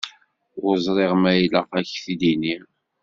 Ur ẓriɣ ma ilaq ad k-t-id-iniɣ.